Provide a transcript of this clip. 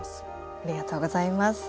ありがとうございます。